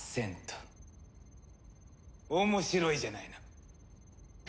面白いじゃないの。